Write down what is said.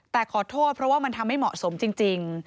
แต่ขอโทษเพราะว่ามันทำให้เหมาะสมจริง